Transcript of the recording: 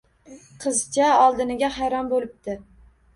Qizcha oldiniga hayron boʻlibdi